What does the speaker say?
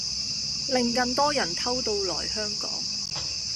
令更多人偷渡來香港